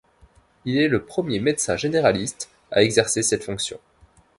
Il est le premier médecin généraliste à exercer cette fonction.